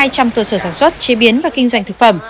cơ sở sản xuất chế biến và kinh doanh thực phẩm